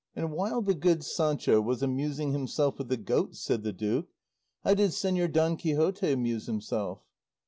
"And while the good Sancho was amusing himself with the goats," said the duke, "how did Señor Don Quixote amuse himself?"